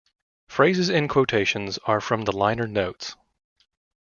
Phrases in quotations are from the liner notes.